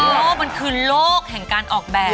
โลกมันคือโลกแห่งการออกแบบ